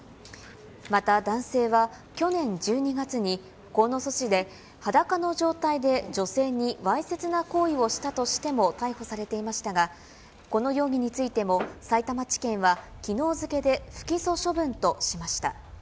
また男性は、去年１２月に鴻巣市で裸の状態で女性にわいせつな行為をしたとしても逮捕されていましたが、この容疑についても、さいたま地検はきのう付けで不起訴処分としました。